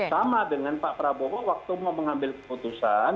sama dengan pak prabowo waktu mau mengambil keputusan